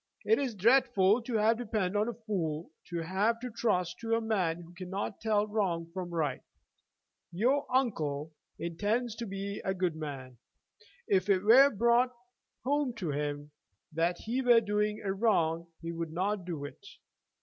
It is dreadful to have to depend on a fool, to have to trust to a man who cannot tell wrong from right. Your uncle intends to be a good man. If it were brought home to him that he were doing a wrong he would not do it.